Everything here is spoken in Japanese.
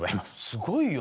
すごいよ。